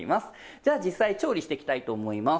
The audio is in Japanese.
じゃあ実際に調理していきたいと思います。